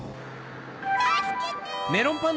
たすけて！